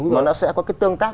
mà nó sẽ có cái tương tác